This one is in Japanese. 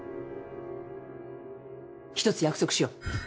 １つ約束しよう。